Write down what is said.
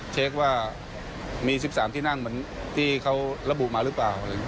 เช็คว่ามี๑๓ที่นั่งเหมือนที่เขาระบุมาหรือเปล่า